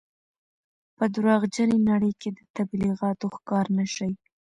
په درواغجنې نړۍ کې د تبلیغاتو ښکار نه شئ.